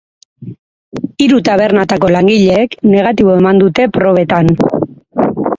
Hiru tabernetako langileek negatibo eman dute probetan.